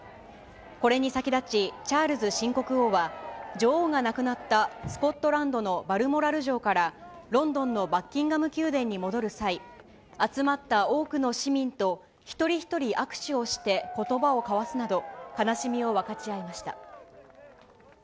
これに先立ち、チャールズ新国王は、女王が亡くなったスコットランドのバルモラル城からロンドンのバッキンガム宮殿に戻る際、集まった多くの市民と一人一人握手をしてことばを交わすなど、悲しみを分かち合いました。